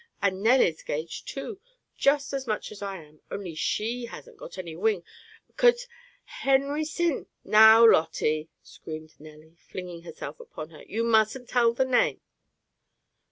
And Nelly's 'gaged, too, just as much as I am, only she hasn't got any wing, because Harry Sin " "Now, Lotty!" screamed Nelly, flinging herself upon her, "you mustn't tell the name."